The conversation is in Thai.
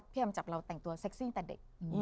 พี่อำจับเราแต่งตัวเซ็กซี่ตั้งเด็ก